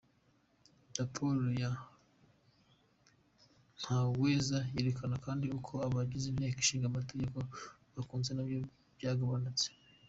Raporo ya Twaweza yerekana kandi ko uko abagize Inteko Ishinga Amategeko bakunzwe nabyo byagabanutse.